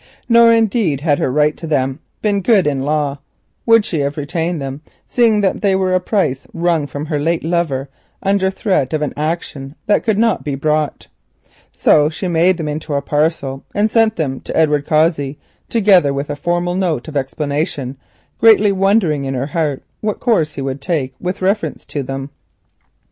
Nor, indeed, had her right to them been good in law, would she have retained them, seeing that they were a price wrung from her late lover under threat of an action that could not be brought. So she made them into a parcel and sent them to Edward Cossey, together with a formal note of explanation, greatly wondering in her heart what course he would take with reference to them.